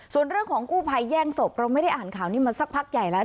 ส่วนเรื่องของกู้ภัยแย่งศพเราไม่ได้อ่านข่าวนี้มาสักพักใหญ่แล้ว